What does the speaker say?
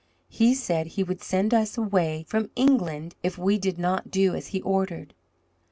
He said he would send us away from England if we did not do as he ordered.